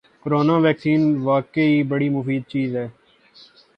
corona vaccine واقعی بڑی مفید چیز ہے